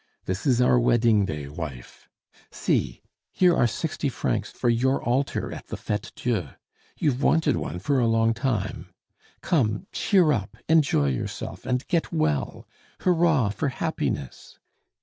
This is our wedding day, wife. See! here are sixty francs for your altar at the Fete Dieu; you've wanted one for a long time. Come, cheer up, enjoy yourself, and get well! Hurrah for happiness!"